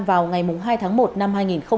vào ngày hai tháng một năm hai nghìn hai mươi